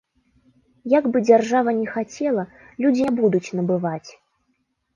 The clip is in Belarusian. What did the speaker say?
Як бы дзяржава ні хацела, людзі не будуць набываць.